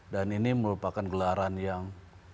ini merupakan gelaran yang